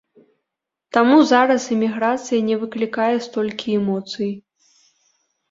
Таму зараз эміграцыя не выклікае столькі эмоцый.